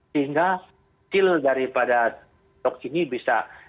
sehingga hasil dari pada dok ini bisa